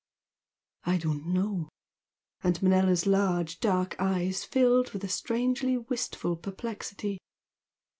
"I don't know " and Manella's large dark eyes filled with a strangely wistful perplexity.